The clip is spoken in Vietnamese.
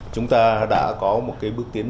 chúng ta đã có một bước tiến